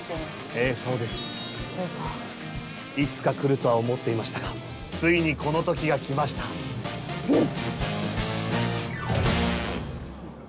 ええそうですそうかいつか来るとは思っていましたがついにこの時が来ましたうん！